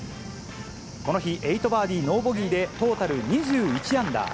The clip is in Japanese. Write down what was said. この日、８バーディー、ノーボギーでトータル２１アンダー。